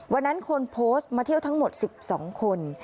วันนั้นคนโพสต์มาเที่ยวทั้งหมด๑๒คน